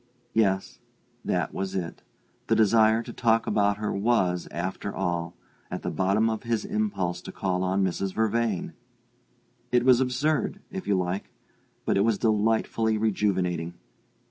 Yes, that was it; the desire to talk about her was, after all, at the bottom of his impulse to call on Mrs. Vervain! It was absurd, if you like but it was delightfully rejuvenating.